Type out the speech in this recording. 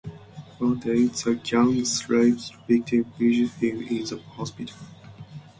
One day, the gang's rape victim visits him in the hospital.